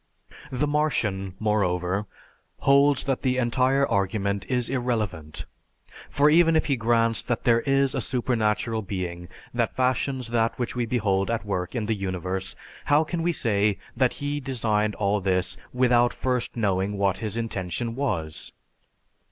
The Martian, moreover, holds that the entire argument is irrelevant, for even if he grants that there is a supernatural being that fashions that which we behold at work in the universe, how can we say that he designed all this without first knowing what his intention was?